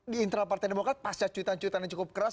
di internal partai demokrat pasca cuitan cuitan yang cukup keras